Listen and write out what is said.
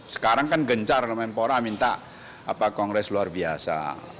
sekarang kan gencar meminta kongres luar biasa